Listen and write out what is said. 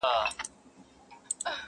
o په خامه خوله وعده پخه ستایمه,